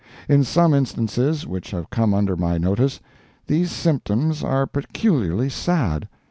In some instances which have come under my notice, these symptoms are peculiarly sad.